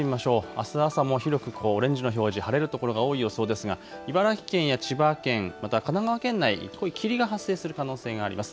あす朝も広くオレンジの表示、晴れる所が多い予想ですが茨城県や千葉県、また神奈川県内濃い霧が発生する可能性があります。